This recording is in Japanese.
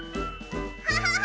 ハハハハ！